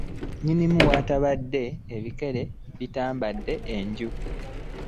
Nnyinimu w'ataba ebikere bitemba enju.